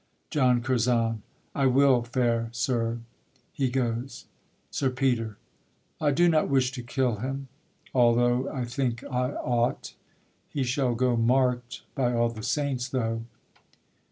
JOHN CURZON. I will, fair sir. [He goes. SIR PETER. I do not wish to kill him, Although I think I ought; he shall go mark'd, By all the saints, though!